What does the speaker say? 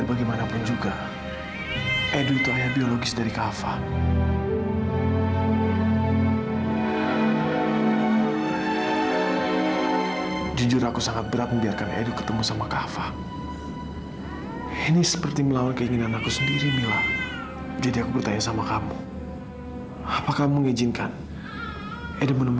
lagi pula mama nggak mau dan nggak setuju